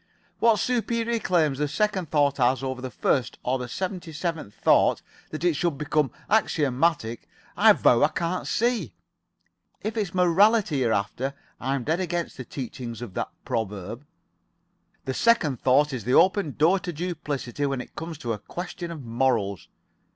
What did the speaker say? What superior claims the second thought has over the first or the seventy seventh thought, that it should become axiomatic, I vow I can't see. If it's morality you're after I am dead against the teachings of that proverb. The second thought is the open door to duplicity when it comes to a question of morals.